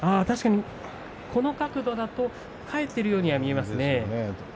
この角度だと返っているように見えますね。